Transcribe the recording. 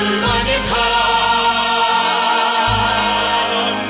ไม้พัดดุมยุติทันอันสนใส